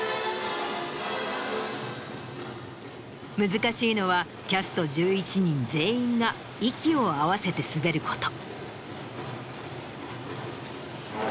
難しいのはキャスト１１人全員が息を合わせて滑ること。